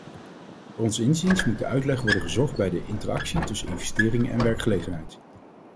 Ons inziens moet de uitleg worden gezocht bij de interactie tussen investeringen en werkgelegenheid.